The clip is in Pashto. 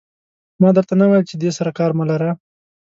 ما در ته نه ویل چې دې سره کار مه لره.